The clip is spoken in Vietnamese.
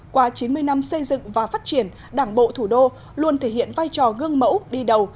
qua chín mươi năm xây dựng và phát triển đảng bộ thủ đô luôn thể hiện vai trò gương mẫu đi đầu